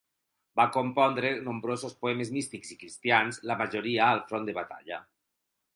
Va compondre nombrosos poemes místics i cristians, la majoria al front de batalla.